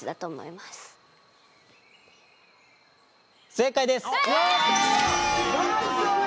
正解です。わ！